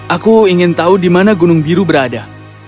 aku ingin tahu di mana gunung biru berada